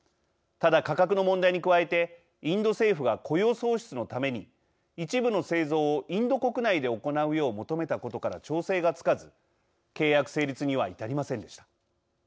ただ、価格の問題に加えてインド政府が雇用創出のために一部の製造をインド国内で行うよう求めたことから調整がつかず契約成立には至りませんでした。